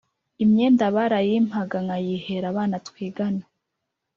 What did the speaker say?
Imyenda barayimpaga nkayihera abana twigana